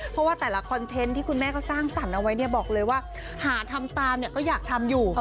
เพราะว่าแต่ละคอนเทนต์ที่คุณแม่ก็สร้างสรรค์เอาไว้เนี่ยบอกเลยว่าหาทำตามเนี่ยก็อยากทำอยู่